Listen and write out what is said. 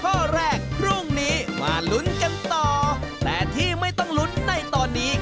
ข้อแรกพรุ่งนี้มาลุ้นกันต่อแต่ที่ไม่ต้องลุ้นในตอนนี้